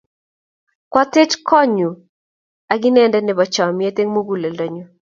Kwatech kot nyun ak inyendet nepo chomyet eng' muguleldanyu.